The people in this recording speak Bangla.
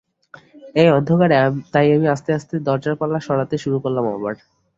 এই অন্ধকারে তাই আমি আস্তে আস্তে দরজার পাল্লা সরাতে শুরু করলাম আবার।